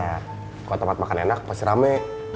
kalau tempat makan enak pasti rame